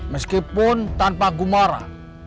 meskipun tanpa gumara